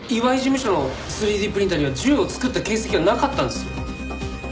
岩井事務所の３Ｄプリンターには銃を作った形跡はなかったんですよ？